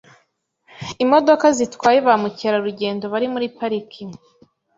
Imodoka zitwaye ba mukerarugendo bari muri Pariki